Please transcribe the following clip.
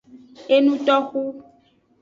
Enutoxu.